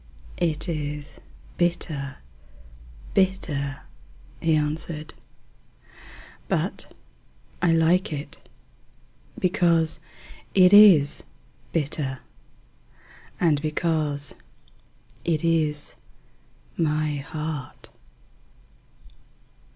"It is bitter bitter," he answered; "But I like it Because it is bitter, And because it is my heart."